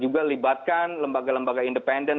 juga libatkan lembaga lembaga independen